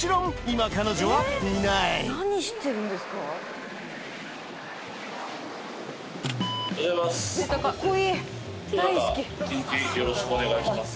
今日一日よろしくお願いします